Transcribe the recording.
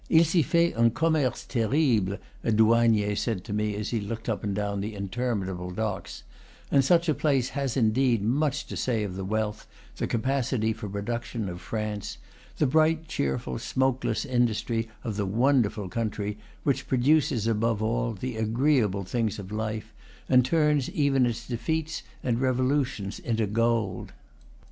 "Il s'y fait un commerce terrible," a douanier said to me, as he looked up and down the interminable docks; and such a place has indeed much to say of the wealth, the capacity for production, of France, the bright, cheerful, smokeless industry of the wonderful country which produces, above all, the agreeable things of life, and turns even its defeats and revolutions into gold.